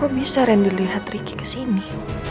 kok bisa randy liat riki kesini